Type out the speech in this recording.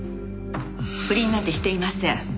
不倫なんてしていません。